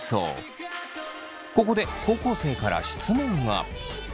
ここで高校生から質問が。